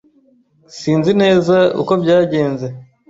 S Sinzi neza uko byagenze.